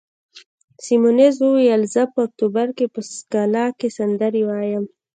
سیمونز وویل: زه په اکتوبر کې په سکالا کې سندرې وایم.